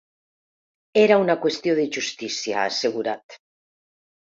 Era una qüestió de justícia, ha assegurat.